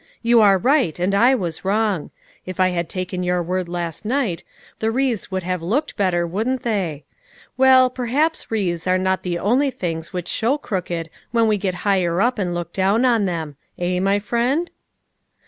" You are right and I was wrong. If I had taken your word last night the wreaths would have looked better, wouldn't they ? Well, perhaps wreaths are not the only things which show crooked when we get higher up and look down on them. Kh, my friend